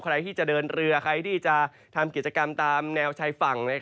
ใครที่จะเดินเรือใครที่จะทำกิจกรรมตามแนวชายฝั่ง